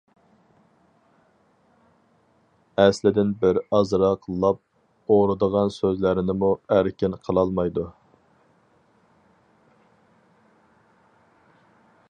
ئەسلىدىن بىر ئازراق لاپ ئورىدىغان سۆزلەرنىمۇ ئەركىن قىلالمايدۇ.